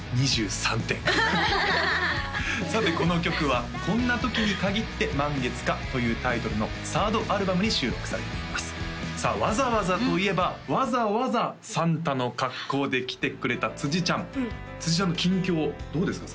２３点さてこの曲は「こんな時にかぎって満月か」というタイトルの３ｒｄアルバムに収録されていますさあ「わざわざ」といえばわざわざサンタの格好で来てくれた辻ちゃん辻ちゃんの近況どうですか？